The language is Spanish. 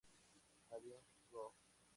Alien Go!